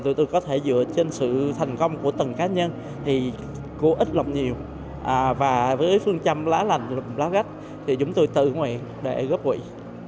bước sau chúng tôi tự nguyện để góp quỹ